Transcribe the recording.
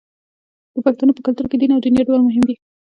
د پښتنو په کلتور کې دین او دنیا دواړه مهم دي.